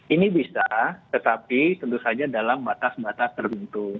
ini bisa tetapi tentu saja dalam batas batas tertentu